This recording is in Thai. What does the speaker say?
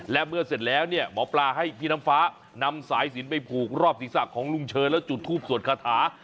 และเมื่อเสร็จแล้วเนี่ยหมอปลาให้พี่น้ำฟ้านำสายสินไปผูกรอบศีรษะของลุงเชิญแล้วจุดทูปสวดคาถา